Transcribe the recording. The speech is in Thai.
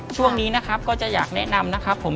ช่วงนี้นะครับก็จะอยากแนะนำนะครับผม